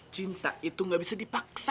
cinta itu gak bisa dipaksa